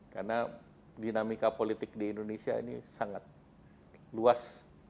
karena dinamika politik di indonesia ini sangat luas